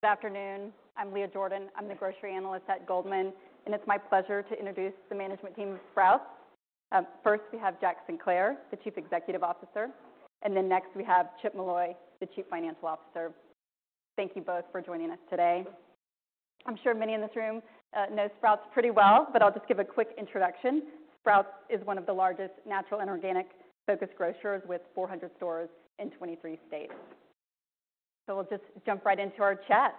Good afternoon. I'm Leah Jordan. I'm the grocery analyst at Goldman, and it's my pleasure to introduce the management team of Sprouts. First, we have Jack Sinclair, the Chief Executive Officer, and then next, we have Chip Molloy, the Chief Financial Officer. Thank you both for joining us today. I'm sure many in this room know Sprouts pretty well, but I'll just give a quick introduction. Sprouts is one of the largest natural and organic-focused grocers with 400 stores in 23 states. So we'll just jump right into our chat.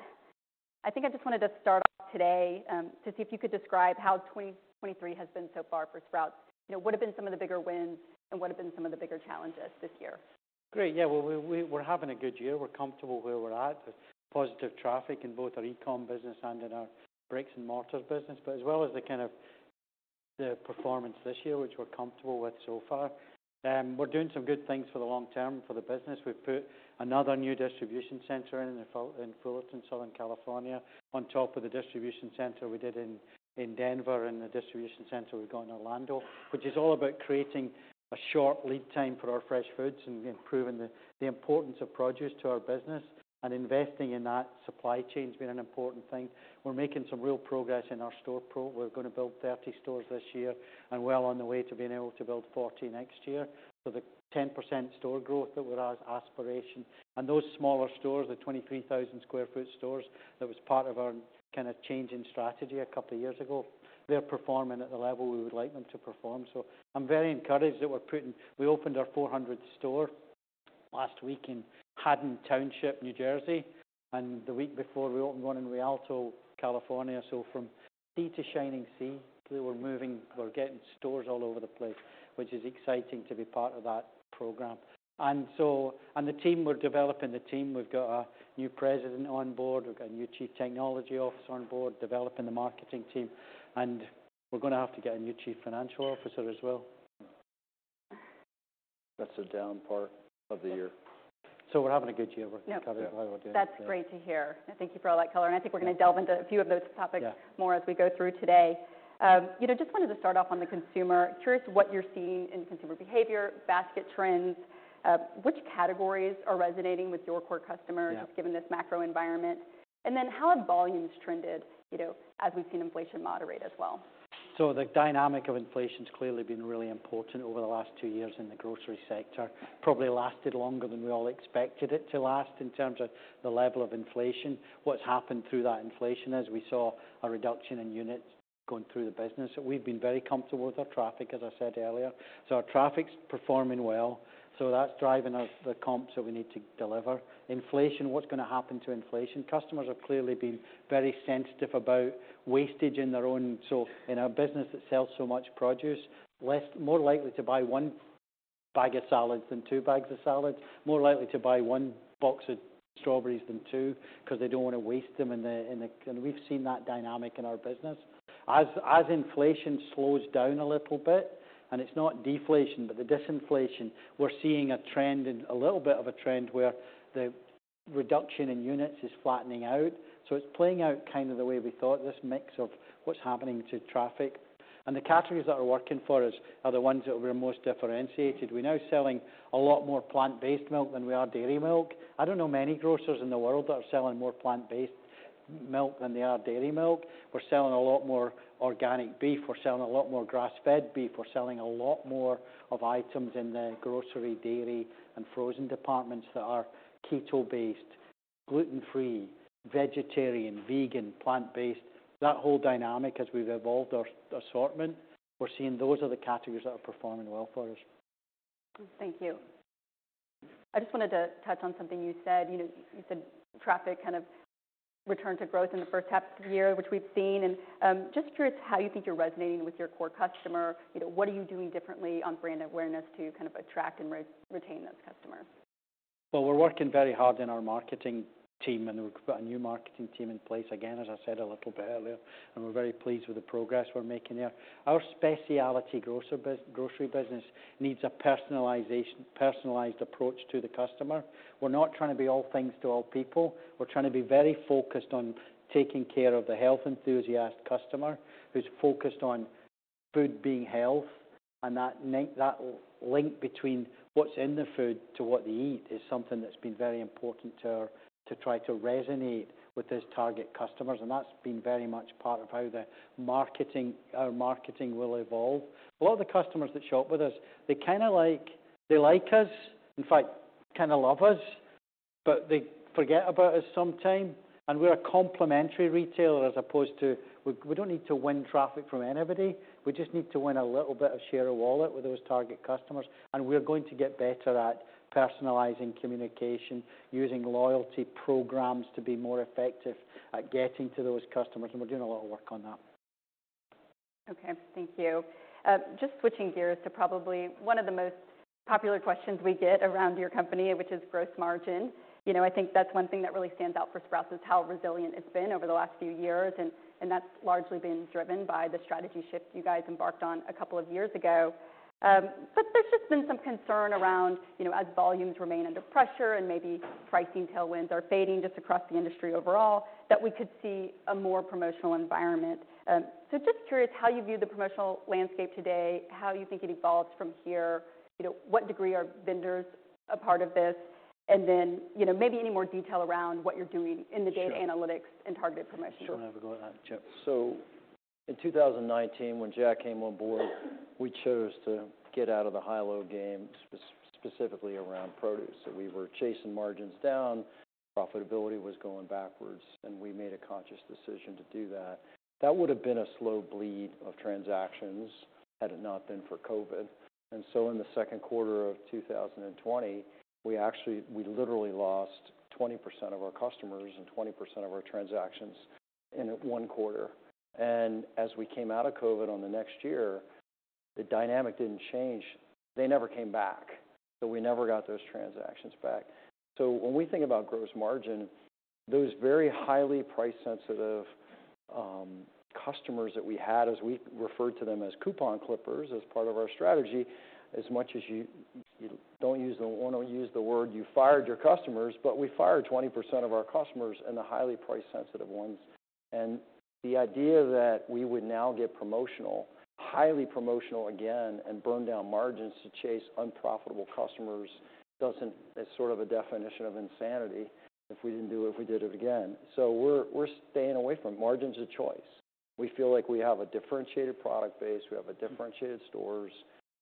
I think I just wanted to start off today, to see if you could describe how 2023 has been so far for Sprouts. You know, what have been some of the bigger wins, and what have been some of the bigger challenges this year? Great. Yeah, well, we're having a good year. We're comfortable where we're at. There's positive traffic in both our e-com business and in our bricks-and-mortar business. But as well as the kind of performance this year, which we're comfortable with so far, we're doing some good things for the long term for the business. We've put another new distribution center in Fullerton, Southern California, on top of the distribution center we did in Denver and the distribution center we've got in Orlando, which is all about creating a short lead time for our fresh foods and improving the importance of produce to our business, and investing in that supply chain has been an important thing. We're making some real progress in our store program. We're gonna build 30 stores this year and well on the way to being able to build 40 next year. So the 10% store growth that's our aspiration, and those smaller stores, the 23,000 sq ft stores, that was part of our kind of changing strategy a couple of years ago, they're performing at the level we would like them to perform. So I'm very encouraged that we're putting... We opened our 400th store last week in Haddon Township, New Jersey, and the week before, we opened one in Rialto, California. So from sea to shining sea, we're moving, we're getting stores all over the place, which is exciting to be part of that program. And so, the team, we're developing the team. We've got a new president on board, we've got a new Chief Technology Officer on board, developing the marketing team, and we're gonna have to get a new Chief Financial Officer as well. That's the down part of the year. We're having a good year. Yeah. We're having a good day. That's great to hear. Thank you for all that color. Thank you. I think we're gonna delve into a few of those topics. Yeah - more as we go through today. You know, just wanted to start off on the consumer. Curious what you're seeing in consumer behavior, basket trends, which categories are resonating with your core customers- Yeah Given this macro environment? And then how have volumes trended, you know, as we've seen inflation moderate as well? The dynamic of inflation's clearly been really important over the last two years in the grocery sector. Probably lasted longer than we all expected it to last in terms of the level of inflation. What's happened through that inflation is we saw a reduction in units going through the business. We've been very comfortable with our traffic, as I said earlier. Our traffic's performing well, so that's driving us the comps that we need to deliver. Inflation, what's gonna happen to inflation? Customers have clearly been very sensitive about wastage in their own. In a business that sells so much produce, more likely to buy one bag of salads than two bags of salads, more likely to buy one box of strawberries than two because they don't want to waste them. We've seen that dynamic in our business. As inflation slows down a little bit, and it's not deflation, but the disinflation, we're seeing a trend, a little bit of a trend where the reduction in units is flattening out. So it's playing out kind of the way we thought, this mix of what's happening to traffic. And the categories that are working for us are the ones that we're most differentiated. We're now selling a lot more plant-based milk than we are dairy milk. I don't know many grocers in the world that are selling more plant-based milk than they are dairy milk. We're selling a lot more organic beef. We're selling a lot more grass-fed beef. We're selling a lot more of items in the grocery, dairy, and frozen departments that are keto-based, gluten-free, vegetarian, vegan, plant-based. That whole dynamic, as we've evolved our assortment, we're seeing those are the categories that are performing well for us. Thank you. I just wanted to touch on something you said. You know, you said traffic kind of returned to growth in the first half of the year, which we've seen. Just curious how you think you're resonating with your core customer. You know, what are you doing differently on brand awareness to kind of attract and retain those customers? Well, we're working very hard in our marketing team, and we've got a new marketing team in place, again, as I said a little bit earlier, and we're very pleased with the progress we're making there. Our specialty grocery business needs a personalized approach to the customer. We're not trying to be all things to all people. We're trying to be very focused on taking care of the health enthusiast customer, who's focused on food being health, and that link between what's in the food to what they eat is something that's been very important to try to resonate with those target customers, and that's been very much part of how our marketing will evolve. A lot of the customers that shop with us, they kind of like... They like us, in fact, kind of love us, but they forget about us sometime. We're a complementary retailer as opposed to... We don't need to win traffic from anybody. We just need to win a little bit of share of wallet with those target customers, and we are going to get better at personalizing communication, using loyalty programs to be more effective at getting to those customers, and we're doing a lot of work on that. Okay, thank you. Just switching gears to probably one of the most popular questions we get around your company, which is gross margin. You know, I think that's one thing that really stands out for Sprouts, is how resilient it's been over the last few years, and that's largely been driven by the strategy shift you guys embarked on a couple of years ago. But there's just been some concern around, you know, as volumes remain under pressure and maybe pricing tailwinds are fading just across the industry overall, that we could see a more promotional environment. So just curious how you view the promotional landscape today, how you think it evolves from here, you know, what degree are vendors a part of this? And then, you know, maybe any more detail around what you're doing in the data analytics- Sure - and targeted promotion. Sure. You want to have a go at that, Chip? So- ... In 2019, when Jack came on board, we chose to get out of the high-low game, specifically around produce. So we were chasing margins down, profitability was going backwards, and we made a conscious decision to do that. That would have been a slow bleed of transactions had it not been for COVID. And so in the second quarter of 2020, we actually, we literally lost 20% of our customers and 20% of our transactions in one quarter. And as we came out of COVID on the next year, the dynamic didn't change. They never came back, so we never got those transactions back. So when we think about gross margin, those very highly price-sensitive customers that we had, as we referred to them as coupon clippers, as part of our strategy, as much as you don't want to use the word, you fired your customers, but we fired 20% of our customers and the highly price-sensitive ones. And the idea that we would now get promotional, highly promotional again, and burn down margins to chase unprofitable customers doesn't. It's sort of a definition of insanity if we didn't do it, if we did it again. So we're staying away from margins of choice. We feel like we have a differentiated product base, we have differentiated stores,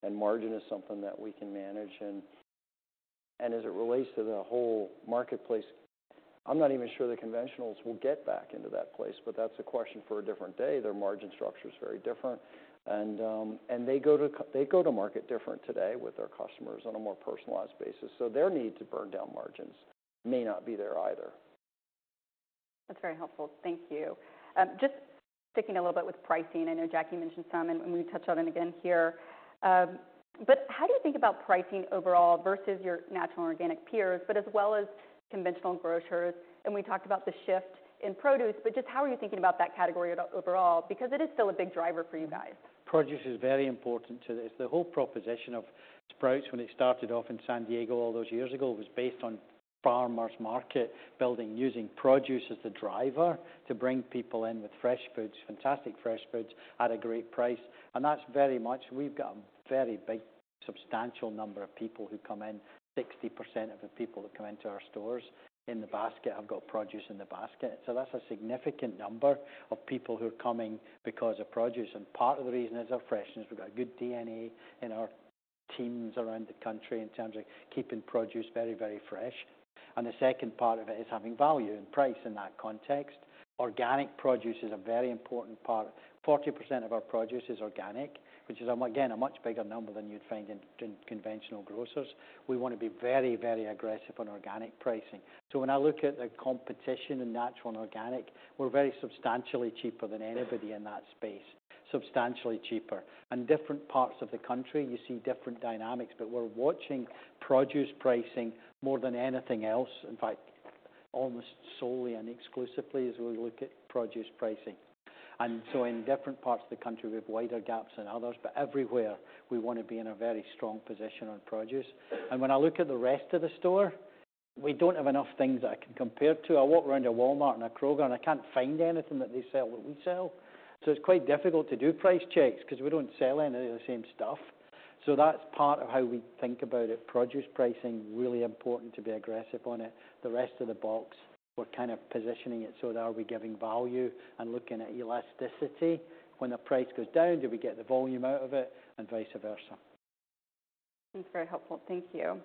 and margin is something that we can manage. And as it relates to the whole marketplace, I'm not even sure the conventionals will get back into that place, but that's a question for a different day. Their margin structure is very different, and they go to market different today with their customers on a more personalized basis, so their need to burn down margins may not be there either. That's very helpful. Thank you. Just sticking a little bit with pricing, I know Jack, you mentioned some, and we touched on it again here. But how do you think about pricing overall versus your natural and organic peers, but as well as conventional grocers? And we talked about the shift in produce, but just how are you thinking about that category at all overall? Because it is still a big driver for you guys. Produce is very important to this. The whole proposition of Sprouts when it started off in San Diego all those years ago was based on farmers' market, building, using produce as the driver to bring people in with fresh foods, fantastic fresh foods at a great price. And that's very much... We've got a very big, substantial number of people who come in. 60% of the people that come into our stores in the basket have got produce in the basket. So that's a significant number of people who are coming because of produce. And part of the reason is our freshness. We've got a good DNA in our teams around the country in terms of keeping produce very, very fresh. And the second part of it is having value and price in that context. Organic produce is a very important part. 40% of our produce is organic, which is, again, a much bigger number than you'd find in, in conventional grocers. We want to be very, very aggressive on organic pricing. So when I look at the competition in natural and organic, we're very substantially cheaper than anybody in that space, substantially cheaper. And different parts of the country, you see different dynamics, but we're watching produce pricing more than anything else. In fact, almost solely and exclusively, as we look at produce pricing. And so in different parts of the country, we have wider gaps than others, but everywhere we want to be in a very strong position on produce. And when I look at the rest of the store, we don't have enough things that I can compare to. I walk around a Walmart and a Kroger, and I can't find anything that they sell, that we sell. So it's quite difficult to do price checks because we don't sell any of the same stuff. So that's part of how we think about it. Produce pricing, really important to be aggressive on it. The rest of the box, we're kind of positioning it so that are we giving value and looking at elasticity. When the price goes down, do we get the volume out of it? And vice versa. That's very helpful. Thank you.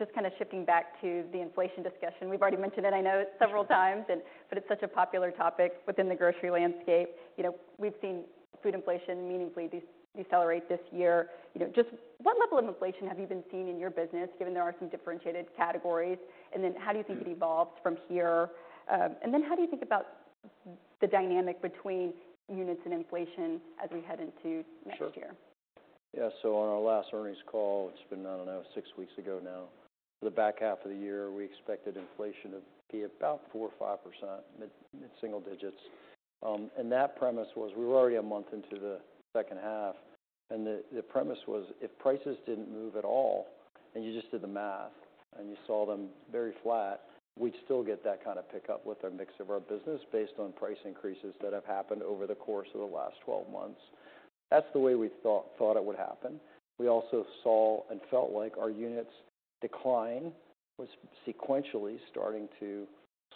Just kind of shifting back to the inflation discussion. We've already mentioned it, I know, several times, but it's such a popular topic within the grocery landscape. You know, we've seen food inflation meaningfully decelerate this year. You know, just what level of inflation have you been seeing in your business, given there are some differentiated categories? And then how do you think it evolves from here? And then how do you think about the dynamic between units and inflation as we head into next year? Sure. Yeah. On our last earnings call, it's been, I don't know, six weeks ago now, the back half of the year, we expected inflation to be about 4% or 5%, mid-mid single digits. That premise was, we were already a month into the second half, and the premise was, if prices didn't move at all and you just did the math and you saw them very flat, we'd still get that kind of pickup with our mix of our business based on price increases that have happened over the course of the last 12 months. That's the way we thought it would happen. We also saw and felt like our units decline was sequentially starting to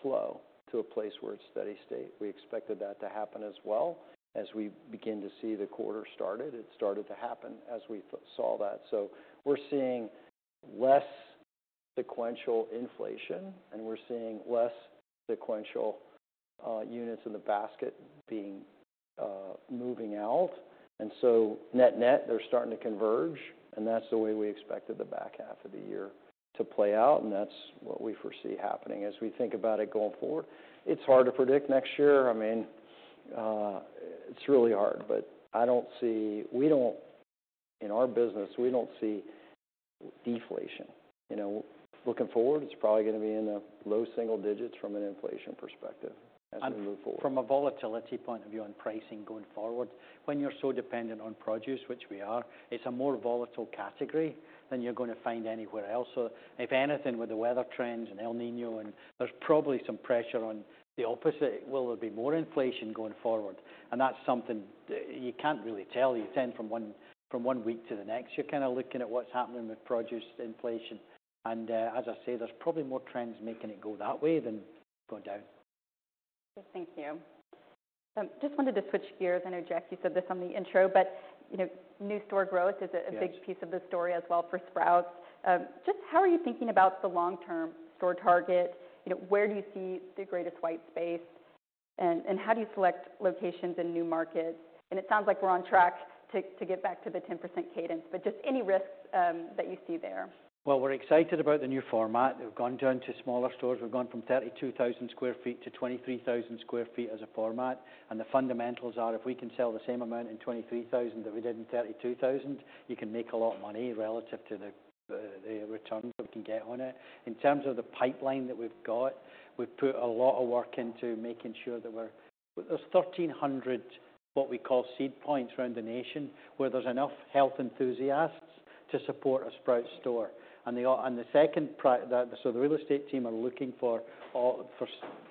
slow to a place where it's steady state. We expected that to happen as well. As we begin to see the quarter started, it started to happen as we saw that. So we're seeing less sequential inflation, and we're seeing less sequential units in the basket being moving out. And so net-net, they're starting to converge, and that's the way we expected the back half of the year to play out, and that's what we foresee happening. As we think about it going forward, it's hard to predict next year. I mean, it's really hard, but I don't see... we don't... In our business, we don't see deflation. You know, looking forward, it's probably going to be in the low single digits from an inflation perspective as we move forward. From a volatility point of view on pricing going forward, when you're so dependent on produce, which we are, it's a more volatile category than you're going to find anywhere else. So if anything, with the weather trends and El Niño, and there's probably some pressure on the opposite, will there be more inflation going forward? And that's something you can't really tell. You tend from one week to the next, you're kind of looking at what's happening with produce inflation. And as I say, there's probably more trends making it go that way than go down.... Thank you. Just wanted to switch gears. I know, Jack, you said this on the intro, but, you know, new store growth is a- Yes big piece of the story as well for Sprouts. Just how are you thinking about the long-term store target? You know, where do you see the greatest white space, and how do you select locations in new markets? And it sounds like we're on track to get back to the 10% cadence, but just any risks that you see there? Well, we're excited about the new format. We've gone down to smaller stores. We've gone from 32,000 sq ft to 23,000 sq ft as a format. And the fundamentals are, if we can sell the same amount in 23,000 that we did in 32,000, you can make a lot of money relative to the returns we can get on it. In terms of the pipeline that we've got, we've put a lot of work into making sure that there are 1,300, what we call seed points, around the nation, where there's enough health enthusiasts to support a Sprouts store. And the second priority, so the real estate team are looking for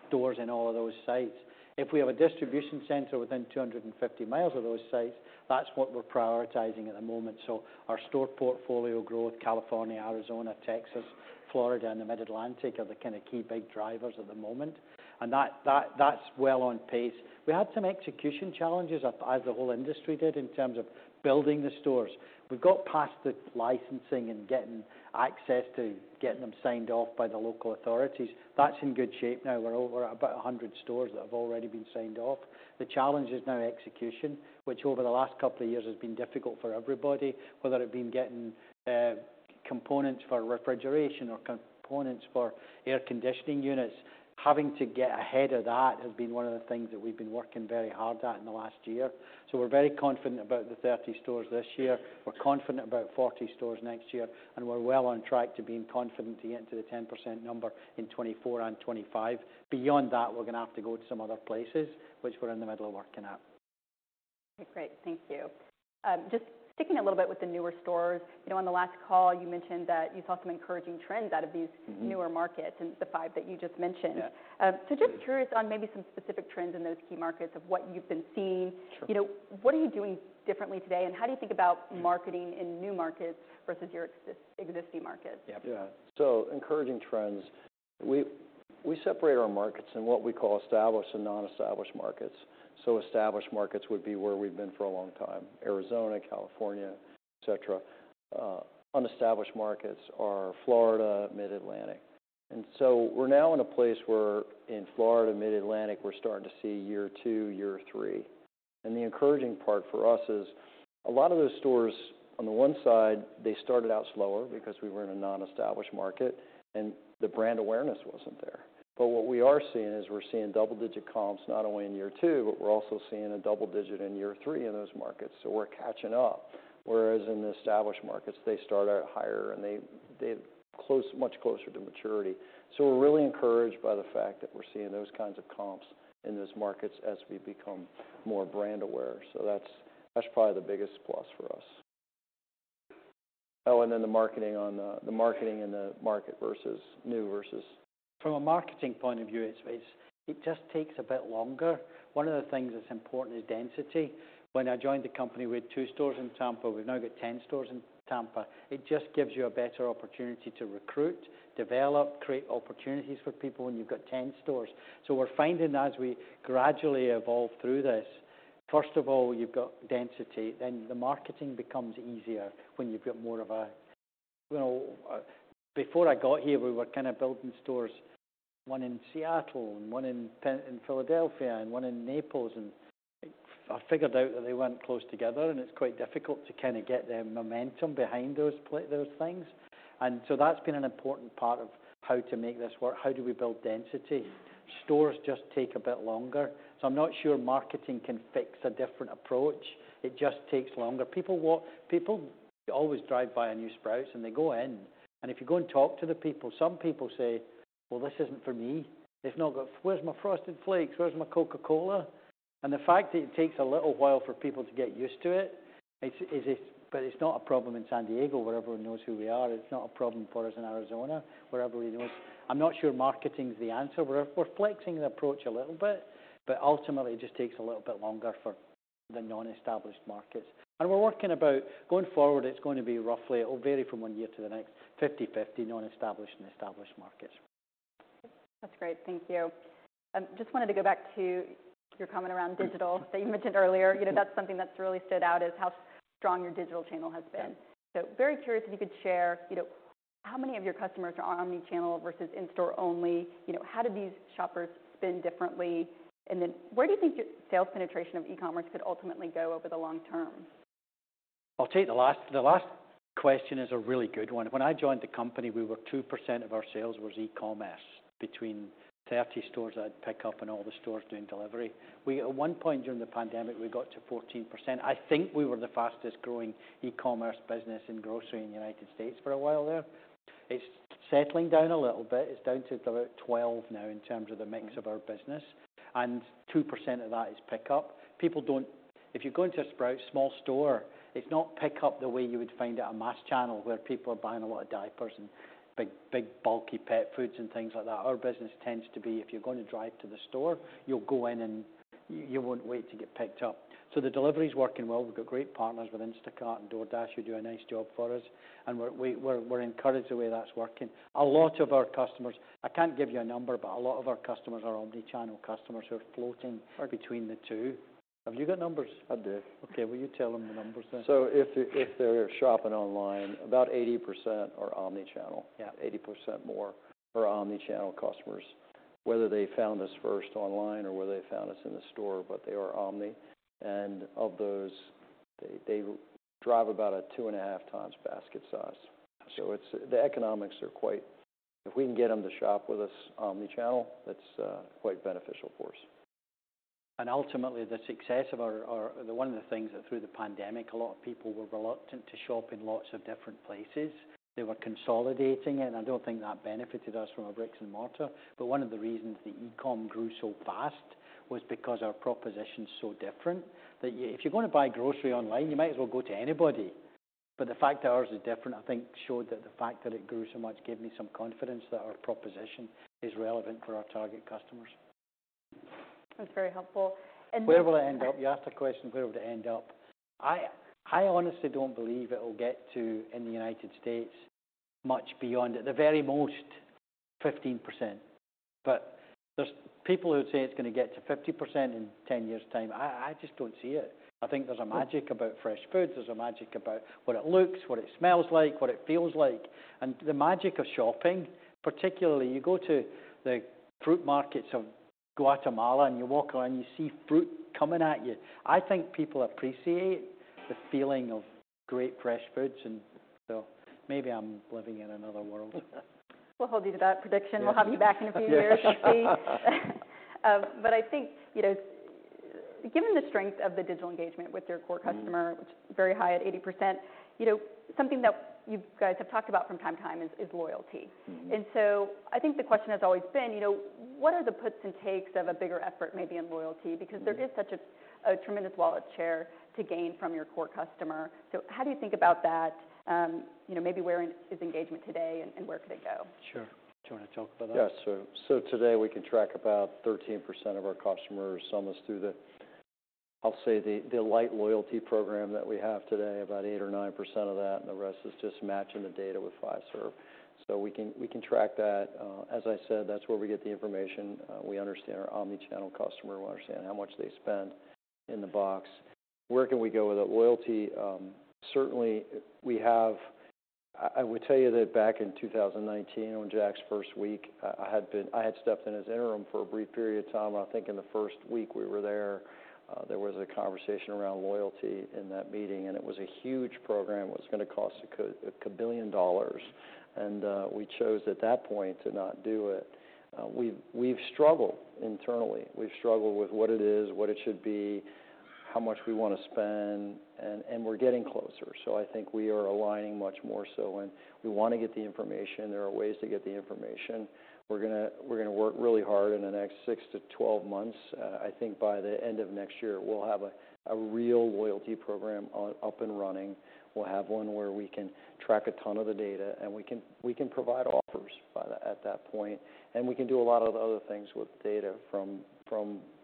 stores in all of those sites. If we have a distribution center within 250 miles of those sites, that's what we're prioritizing at the moment. So our store portfolio growth, California, Arizona, Texas, Florida, and the Mid-Atlantic are the kind of key big drivers at the moment, and that that's well on pace. We had some execution challenges, as the whole industry did, in terms of building the stores. We've got past the licensing and getting access to get them signed off by the local authorities. That's in good shape now. We're over about 100 stores that have already been signed off. The challenge is now execution, which over the last couple of years has been difficult for everybody, whether it's been getting components for refrigeration or components for air conditioning units. Having to get ahead of that has been one of the things that we've been working very hard at in the last year. So we're very confident about the 30 stores this year. We're confident about 40 stores next year, and we're well on track to being confident to get into the 10% number in 2024 and 2025. Beyond that, we're going to have to go to some other places, which we're in the middle of working at. Okay, great. Thank you. Just sticking a little bit with the newer stores. You know, on the last call, you mentioned that you saw some encouraging trends out of these- Mm-hmm Newer markets and the five that you just mentioned. Yeah. So, just curious on maybe some specific trends in those key markets of what you've been seeing? Sure. You know, what are you doing differently today, and how do you think about- Mm Marketing in new markets versus your existing markets? Yeah. Yeah. So encouraging trends. We separate our markets in what we call established and non-established markets. So established markets would be where we've been for a long time, Arizona, California, et cetera. Unestablished markets are Florida, Mid-Atlantic. And so we're now in a place where, in Florida, Mid-Atlantic, we're starting to see year two, year three. And the encouraging part for us is a lot of those stores, on the one side, they started out slower because we were in a non-established market, and the brand awareness wasn't there. But what we are seeing is, we're seeing double-digit comps, not only in year two, but we're also seeing a double-digit in year three in those markets. So we're catching up, whereas in the established markets, they start out higher, and they close much closer to maturity. So we're really encouraged by the fact that we're seeing those kinds of comps in those markets as we become more brand aware. So that's, that's probably the biggest plus for us. From a marketing point of view, it's, it's, it just takes a bit longer. One of the things that's important is density. When I joined the company, we had 2 stores in Tampa. We've now got 10 stores in Tampa. It just gives you a better opportunity to recruit, develop, create opportunities for people when you've got 10 stores. So we're finding as we gradually evolve through this, first of all, you've got density, then the marketing becomes easier when you've got more of a... You know, before I got here, we were kind of building stores, one in Seattle and one in Philadelphia, and one in Naples, and I figured out that they weren't close together, and it's quite difficult to kind of get the momentum behind those things. And so that's been an important part of how to make this work. How do we build density? Stores just take a bit longer, so I'm not sure marketing can fix a different approach. It just takes longer. People always drive by a new Sprouts, and they go in, and if you go and talk to the people, some people say, "Well, this isn't for me." They've now got, "Where's my Frosted Flakes? Where's my Coca-Cola?" And the fact that it takes a little while for people to get used to it, it's but it's not a problem in San Diego, where everyone knows who we are. It's not a problem for us in Arizona, where everybody knows. I'm not sure marketing is the answer. We're flexing the approach a little bit, but ultimately, it just takes a little bit longer for the non-established markets. Going forward, it's going to be roughly, it will vary from one year to the next, 50/50 non-established and established markets. That's great. Thank you. Just wanted to go back to your comment around digital that you mentioned earlier. You know, that's something that's really stood out, is how strong your digital channel has been. Yeah. Very curious if you could share, you know, how many of your customers are omni-channel versus in-store only? You know, how do these shoppers spend differently? Then where do you think your sales penetration of e-commerce could ultimately go over the long term? I'll take the last. The last question is a really good one. When I joined the company, we were 2% of our sales was e-commerce, between 30 stores that pick up and all the stores doing delivery. We, at one point during the pandemic, we got to 14%. I think we were the fastest growing e-commerce business in grocery in the United States for a while there. It's settling down a little bit. It's down to about 12 now in terms of the mix of our business, and 2% of that is pickup. People don't. If you go into a Sprouts small store, it's not pick up the way you would find at a mass channel, where people are buying a lot of diapers and big, big, bulky pet foods and things like that. Our business tends to be, if you're going to drive to the store, you'll go in, and you won't wait to get picked up. So the delivery is working well. We've got great partners with Instacart and DoorDash, who do a nice job for us, and we're encouraged the way that's working. A lot of our customers, I can't give you a number, but a lot of our customers are omni-channel customers who are floating between the two... Have you got numbers? I do. Okay, will you tell them the numbers then? If they're shopping online, about 80% are omni-channel. Yeah. 80% more are omni-channel customers, whether they found us first online or whether they found us in the store, but they are omni. And of those, they drive about a 2.5 times basket size. So it's the economics are quite... If we can get them to shop with us omni-channel, that's quite beneficial for us. Ultimately, the success of our one of the things that through the pandemic, a lot of people were reluctant to shop in lots of different places. They were consolidating, and I don't think that benefited us from our bricks and mortar. But one of the reasons the e-com grew so fast was because our proposition is so different, that if you're going to buy grocery online, you might as well go to anybody. But the fact that ours is different, I think, showed that the fact that it grew so much gave me some confidence that our proposition is relevant for our target customers. That's very helpful. And- Where will it end up? You asked the question, where would it end up? I honestly don't believe it will get to, in the United States, much beyond, at the very most, 15%. But there's people who say it's going to get to 50% in 10 years' time. I just don't see it. I think there's a magic about fresh foods. There's a magic about what it looks, what it smells like, what it feels like, and the magic of shopping. Particularly, you go to the fruit markets of Guatemala, and you walk around, and you see fruit coming at you. I think people appreciate the feeling of great fresh foods, and so maybe I'm living in another world. We'll hold you to that prediction. Yeah. We'll have you back in a few years to see. But I think, you know, given the strength of the digital engagement with your core customer- Mm-hmm... which is very high at 80%, you know, something that you guys have talked about from time to time is, is loyalty. Mm-hmm. I think the question has always been, you know, what are the puts and takes of a bigger effort, maybe in loyalty? Mm-hmm. Because there is such a tremendous wallet share to gain from your core customer. How do you think about that? You know, maybe where is engagement today, and where could it go? Sure. Do you want to talk about that? Yes. So today we can track about 13% of our customers, some is through the, I'll say, the light loyalty program that we have today, about 8% or 9% of that, and the rest is just matching the data with first-party. So we can track that. As I said, that's where we get the information. We understand our omni-channel customer. We understand how much they spend in the box. Where can we go with it? Loyalty, certainly, we have—I would tell you that back in 2019, on Jack's first week, I had stepped in as interim for a brief period of time. I think in the first week we were there, there was a conversation around loyalty in that meeting, and it was a huge program. It was gonna cost $1 billion, and we chose at that point to not do it. We've struggled internally. We've struggled with what it is, what it should be, how much we want to spend, and we're getting closer. So I think we are aligning much more so, and we want to get the information. There are ways to get the information. We're gonna work really hard in the next 6-12 months. I think by the end of next year, we'll have a real loyalty program up and running. We'll have one where we can track a ton of the data, and we can provide offers by the... at that point. We can do a lot of other things with data, from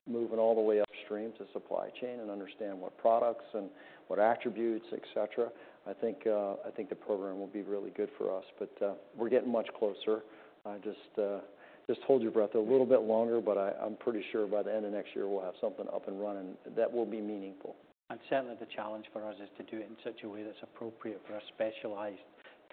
moving all the way upstream to supply chain and understand what products and what attributes, et cetera. I think, I think the program will be really good for us, but, we're getting much closer. Just, just hold your breath a little bit longer, but I, I'm pretty sure by the end of next year, we'll have something up and running that will be meaningful. Certainly, the challenge for us is to do it in such a way that's appropriate for a specialized,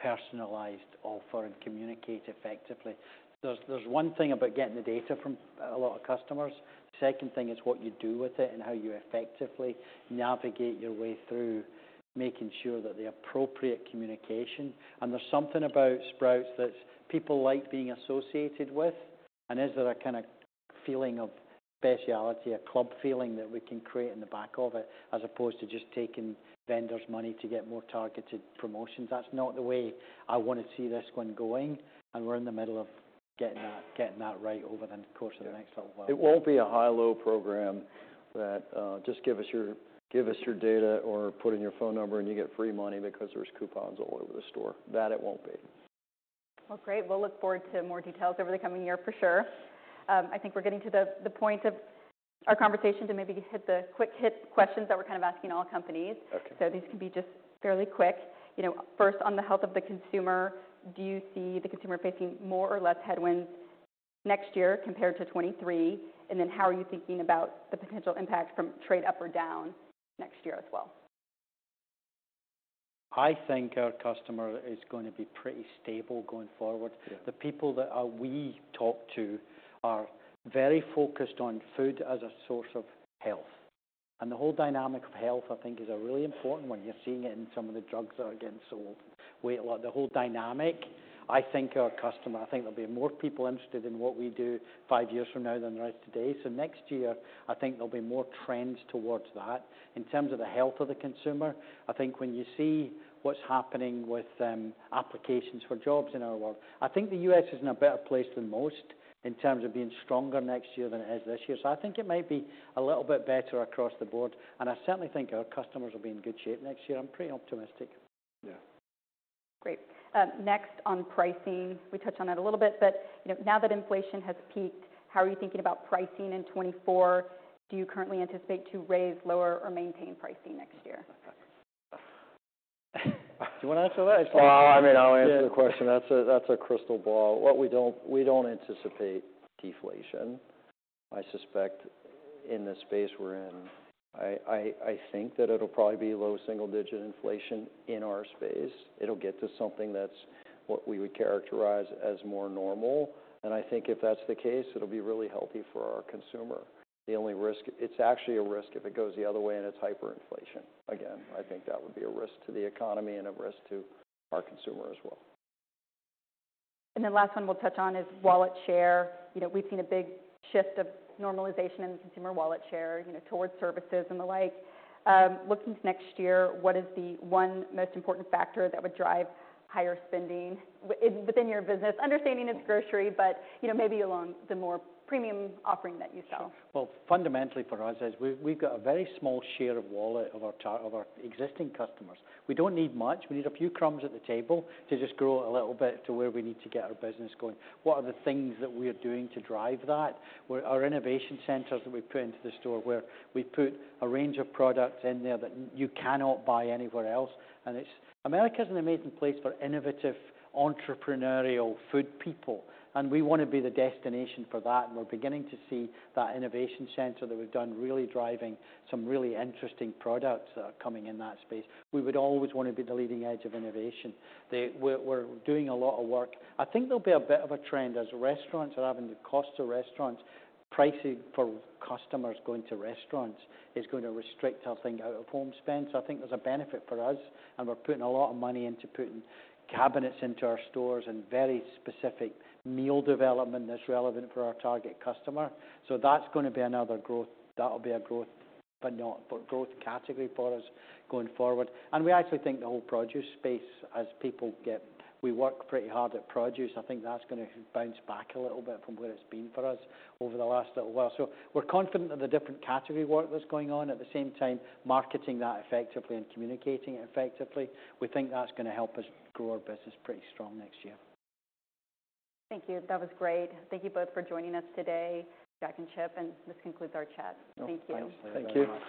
personalized offer and communicate effectively. There's one thing about getting the data from a lot of customers. Second thing is what you do with it and how you effectively navigate your way through, making sure that the appropriate communication. There's something about Sprouts that people like being associated with. Is there a kind of feeling of specialty, a club feeling that we can create in the back of it, as opposed to just taking vendors' money to get more targeted promotions? That's not the way I want to see this one going, and we're in the middle of getting that right over the course of the next little while. It won't be a high-low program that just give us your, give us your data or put in your phone number, and you get free money because there's coupons all over the store. That, it won't be. Well, great. We'll look forward to more details over the coming year for sure. I think we're getting to the point of our conversation to maybe hit the quick hit questions that we're kind of asking all companies. Okay. So these can be just fairly quick. You know, first, on the health of the consumer, do you see the consumer facing more or less headwinds next year compared to 2023? And then, how are you thinking about the potential impact from trade up or down next year as well? I think our customer is going to be pretty stable going forward. Yeah. The people that we talk to are very focused on food as a source of health, and the whole dynamic of health, I think, is a really important one. You're seeing it in some of the drugs that are getting sold. Like, the whole dynamic, I think our customer, I think there'll be more people interested in what we do five years from now than there is today. So next year, I think there'll be more trends towards that. In terms of the health of the consumer, I think when you see what's happening with applications for jobs in our world, I think the U.S. is in a better place than most in terms of being stronger next year than it is this year. I think it might be a little bit better across the board, and I certainly think our customers will be in good shape next year. I'm pretty optimistic. Yeah. Great. Next on pricing, we touched on it a little bit, but, you know, now that inflation has peaked, how are you thinking about pricing in 2024? Do you currently anticipate to raise, lower, or maintain pricing next year? ... Do you want to answer that? Oh, I mean, I'll answer the question. That's a crystal ball. What we don't, we don't anticipate deflation. I suspect in the space we're in, I think that it'll probably be low single-digit inflation in our space. It'll get to something that's what we would characterize as more normal. And I think if that's the case, it'll be really healthy for our consumer. The only risk. It's actually a risk if it goes the other way, and it's hyperinflation. Again, I think that would be a risk to the economy and a risk to our consumer as well. The last one we'll touch on is wallet share. You know, we've seen a big shift of normalization in the consumer wallet share, you know, towards services and the like. Looking to next year, what is the one most important factor that would drive higher spending within your business? Understanding it's grocery, but, you know, maybe along the more premium offering that you sell. Well, fundamentally, for us, is we've got a very small share of wallet of our existing customers. We don't need much. We need a few crumbs at the table to just grow a little bit to where we need to get our business going. What are the things that we are doing to drive that? Well, our innovation centers that we put into the store, where we put a range of products in there that you cannot buy anywhere else. And it's. America is an amazing place for innovative, entrepreneurial food people, and we want to be the destination for that. And we're beginning to see that innovation center that we've done, really driving some really interesting products that are coming in that space. We would always want to be the leading edge of innovation. We're doing a lot of work. I think there'll be a bit of a trend, as restaurants are having the cost of restaurants, pricing for customers going to restaurants is going to restrict our thing out-of-home spend. So I think there's a benefit for us, and we're putting a lot of money into putting cabinets into our stores and very specific meal development that's relevant for our target customer. So that's going to be another growth—that'll be a growth, but not... But growth category for us going forward. And we actually think the whole produce space, as people get—We work pretty hard at produce. I think that's going to bounce back a little bit from where it's been for us over the last little while. We're confident that the different category work that's going on, at the same time, marketing that effectively and communicating it effectively, we think that's going to help us grow our business pretty strong next year. Thank you. That was great. Thank you both for joining us today, Jack and Chip, and this concludes our chat. Thank you. Thank you. Thank you very much.